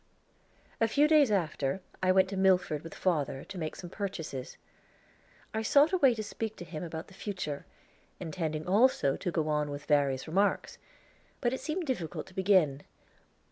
A few days after, I went to Milford with father, to make some purchases. I sought a way to speak to him about the future, intending also to go on with various remarks; but it seemed difficult to begin.